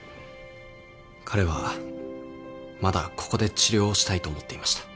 彼はまだここで治療をしたいと思っていました。